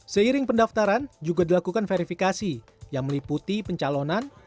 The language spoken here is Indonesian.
seiring pendaftaran juga dilakukan verifikasi yang meliputi pencalonan